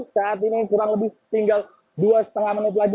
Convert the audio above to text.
saat ini kurang lebih tinggal dua lima menit lagi